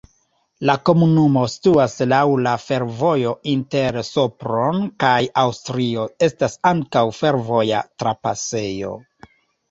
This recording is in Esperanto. La komunumo situas laŭ la fervojo inter Sopron kaj Aŭstrio, estas ankaŭ fervoja trapasejo.